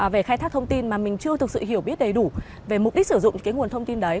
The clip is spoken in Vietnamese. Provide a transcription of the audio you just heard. về khai thác thông tin mà mình chưa thực sự hiểu biết đầy đủ về mục đích sử dụng cái nguồn thông tin đấy